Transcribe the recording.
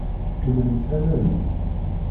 Kemmlemt anadi!